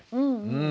うん。